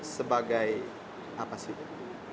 sebagai apa sih